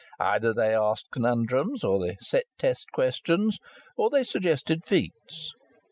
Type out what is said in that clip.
Either they asked conundrums, or they set test questions, or they suggested feats.